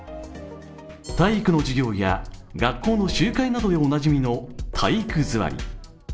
体育の授業や学校の集会などでおなじみの体育座り。